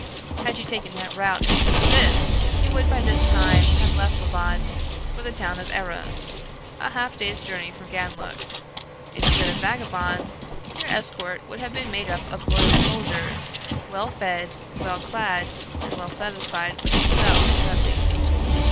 Had you taken that route instead of this, you would by this time have left Labbot for the town of Erros, a half day's journey from Ganlook. Instead of vagabonds, your escort would have been made up of loyal soldiers, well fed, well clad, and well satisfied with themselves, at least."